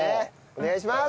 お願いします。